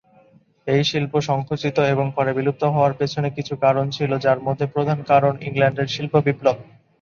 এই শিল্প সংকুচিত এবং পরে বিলুপ্ত হওয়ার পেছনে কিছু কারণ ছিল, যার মধ্যে প্রধান কারণ ইংল্যান্ডের শিল্প বিপ্লব।